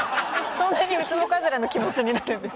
そんなにウツボカズラの気持ちになってるんですか？